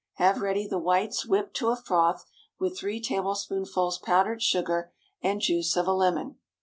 Have ready the whites whipped to a froth with three tablespoonfuls powdered sugar and juice of a lemon.